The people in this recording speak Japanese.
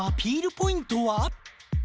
ポイントは？